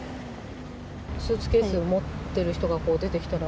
スーツケースを持ってる人が出てきたら？